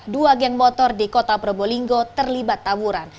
dua geng motor di kota probolinggo terlibat tawuran